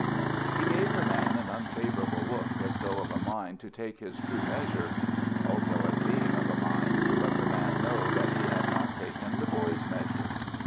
He gave the man an unfavorable look as though of a mind to take his true measure; also as being of a mind to let the man know that he had not taken the boy's measure.